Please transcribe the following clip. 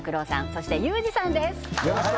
そしてユージさんです